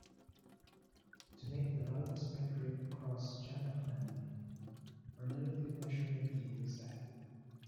To make the loudness metric cross-genre friendly, a relative measurement gate was added.